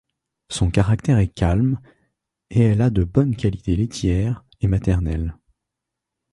Son caractère est calme et elle a de bonnes qualités laitières et maternelles.